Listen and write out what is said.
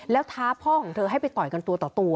แล้วท้าพ่อของเธอให้ไปต่อยกันตัวต่อตัว